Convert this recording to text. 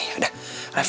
ya udah ref